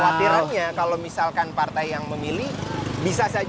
kekhawatirannya kalau misalkan partai yang memilih bisa saja